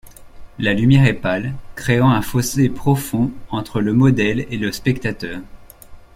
La lumière est pâle, créant un fossé profond entre le modèle et le spectateur.